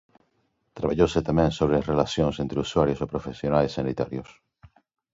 Traballouse tamén sobre as relacións entre usuarios e profesionais sanitarios.